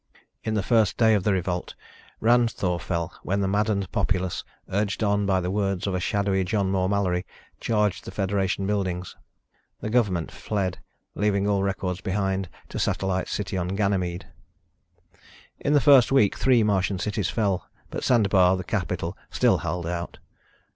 In the first day of the revolt, Ranthoor fell when the maddened populace, urged on by the words of a shadowy John Moore Mallory, charged the federation buildings. The government fled, leaving all records behind, to Satellite City on Ganymede. In the first week three Martian cities fell, but Sandebar, the capital, still held out.